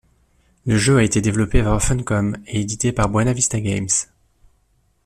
Le jeu a été développé par Funcom et édité par Buena Vista Games.